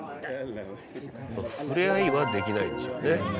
触れ合いはできないんでしょうね。